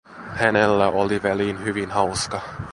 Hänellä oli väliin hyvin hauska.